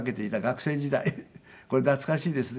これ懐かしいですね。